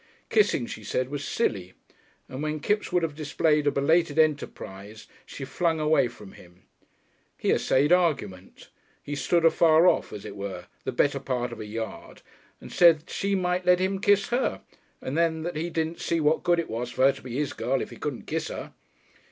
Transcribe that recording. Kissing, she said, was silly, and when Kipps would have displayed a belated enterprise, she flung away from him. He essayed argument. He stood afar off, as it were the better part of a yard and said she might let him kiss her, and then that he didn't see what good it was for her to be his girl if he couldn't kiss her.